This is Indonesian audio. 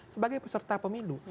sebagai peserta pemilu